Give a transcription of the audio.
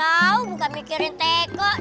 kau bukan mikirin teko sih bos